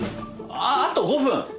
あと５分！？